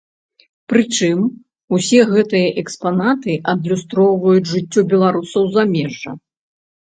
Прычым усе гэтыя экспанаты адлюстроўваюць жыццё беларусаў замежжа.